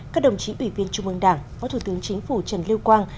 các đồng chí ủy viên trung ương đảng phó thủ tướng chính phủ trần lưu quang